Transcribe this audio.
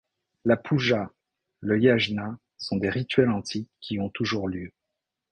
La puja, le yajna sont des rituels antiques qui ont toujours lieu.